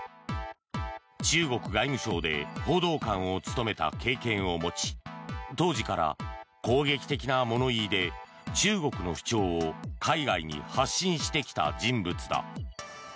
中国外務省で報道官を務めた経験を持ち当時から攻撃的な物言いで中国の主張を海外に発信してきた人物だ。